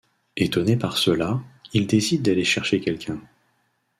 Étonné par cela, il décide d'aller chercher quelqu’un.